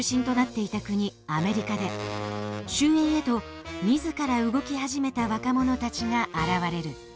アメリカで周縁へと自ら動き始めた若者たちが現れる。